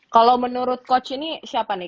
kalau menurut coach ini siapa nih